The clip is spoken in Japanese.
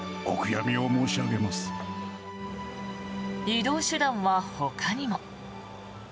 移動手段は、ほかにも。